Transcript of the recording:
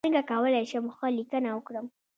څنګه کولی شم ښه لیکنه وکړم